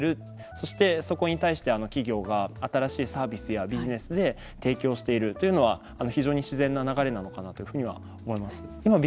そして、そこに対して企業が新しいサービスやビジネスで提供しているというのは非常に自然な流れなのかなというふうには思います。